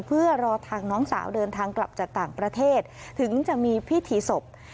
เพื่อรอทางน้องสาวเดินทางกลับจากต่างประเทศถึงจะมีพิธีศพ